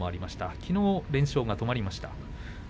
きのう連勝が止まりました。